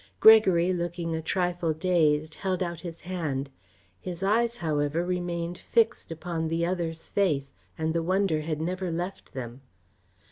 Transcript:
Gregory, looking a trifle dazed, held out his hand. His eyes, however, remained fixed upon the other's face and the wonder had never left them.